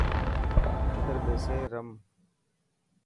اندر ٻيسي رم.